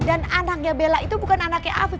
dan anaknya bella itu bukan anaknya afif